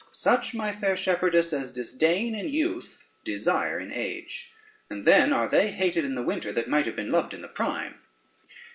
Such, my fair shepherdess, as disdain in youth desire in age, and then are they hated in the winter, that might have been loved in the prime.